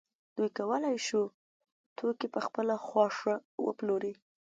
دوی کولای شو توکي په خپله خوښه وپلوري